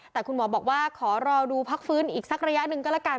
แต่คุณหมอบอกว่าขอรอดูพักฟื้นอีกสักระยะหนึ่งก็แล้วกัน